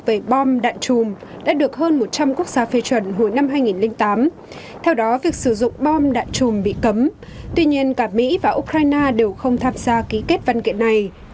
về bom đạn chùm đã được hơn một trăm linh quốc gia phê chuẩn hồi năm hai nghìn tám theo đó việc sử dụng bom đạn chùm bị cấm tuy nhiên cả mỹ và ukraine đều không tham gia ký kết văn kiện này